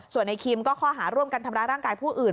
ส่วนในคิมก็ข้อหาร่วมกันทำร้ายร่างกายผู้อื่น